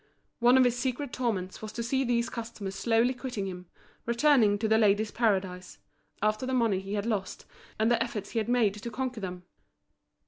One of his secret torments was to see these customers slowly quitting him, returning to The Ladies' Paradise, after the money he had lost and the efforts he had made to conquer them.